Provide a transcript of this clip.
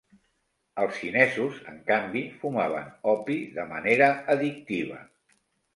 Els xinesos, en canvi, fumaven opi de manera addictiva.